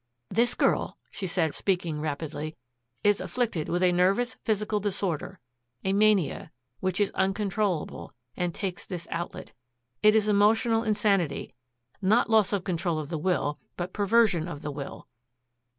"This girl," she said, speaking rapidly, "is afflicted with a nervous physical disorder, a mania, which is uncontrollable, and takes this outlet. It is emotional insanity not loss of control of the will, but perversion of the will."